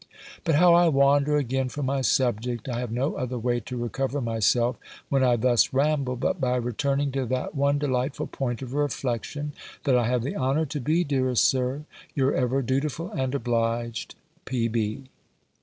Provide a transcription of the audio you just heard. But how I wander again from my subject. I have no other way to recover myself, when I thus ramble, but by returning to that one delightful point of reflection, that I have the honour to be, dearest Sir, your ever dutiful and obliged, P.B.